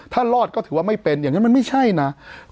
ถ้ารอดก็ถือว่าไม่เป็นอย่างนั้นมันไม่ใช่นะ